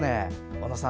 小野さん